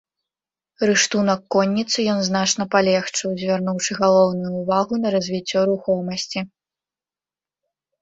Рыштунак конніцы ён значна палегчыў, звярнуўшы галоўную ўвагу на развіццё рухомасці.